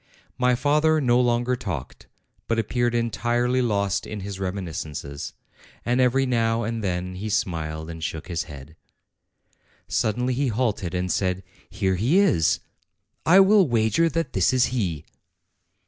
My father no longer talked, but appeared entirely lost in his reminiscences; and every now and then he smiled, and shook his head. Suddenly he halted and said: "Here he is. I will wager that this is he."